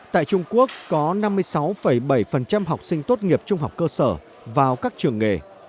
tại trung quốc có năm mươi sáu bảy học sinh tốt nghiệp trung học cơ sở vào các trường nghề